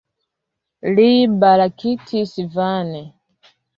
Li baraktis vane.